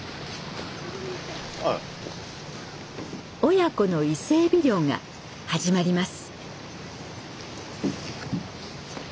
親子の伊勢エビ漁が始まります。